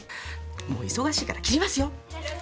もう忙しいから切りますよ